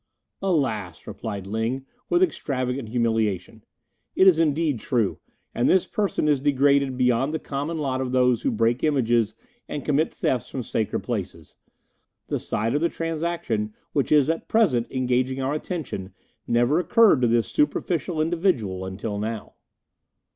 "Alas!" replied Ling, with extravagant humiliation, "it is indeed true; and this person is degraded beyond the common lot of those who break images and commit thefts from sacred places. The side of the transaction which is at present engaging our attention never occurred to this superficial individual until now."